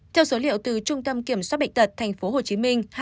theo số liệu từ trung tâm kiểm soát bệnh tật tp hcm